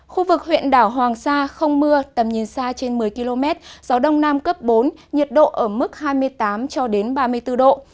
khu vực huyện đảo hoàng sa không mưa tầm nhìn xa trên một mươi km gió đông nam cấp bốn nhiệt độ ở mức hai mươi tám cho đến ba mươi bốn độ